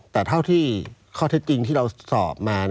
แต่เท่าที่ข้อเท็จจริงที่เราสอบมา